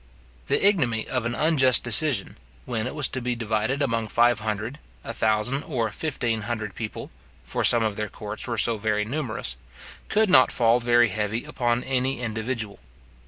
The ignominy of an unjust decision, when it was to be divided among five hundred, a thousand, or fifteen hundred people (for some of their courts were so very numerous), could not fall very heavy upon any individual.